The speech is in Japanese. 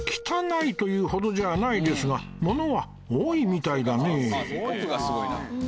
汚いというほどじゃないですがものは多いみたいだね